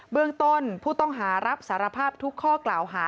เบื้องต้นผู้ต้องหารับสารภาพทุกข้อกล่าวหา